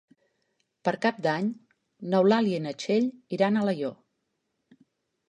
Per Cap d'Any n'Eulàlia i na Txell iran a Alaior.